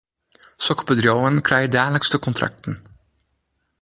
Sokke bedriuwen krije daliks de kontrakten.